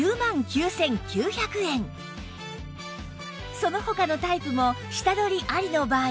その他のタイプも下取りありの場合